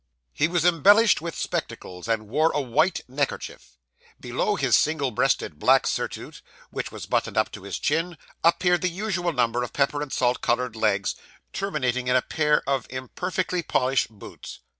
He was embellished with spectacles, and wore a white neckerchief. Below his single breasted black surtout, which was buttoned up to his chin, appeared the usual number of pepper and salt coloured legs, terminating in a pair of imperfectly polished boots.